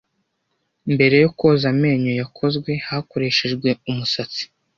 Mbere yo koza amenyo yakozwe hakoreshejwe umusatsi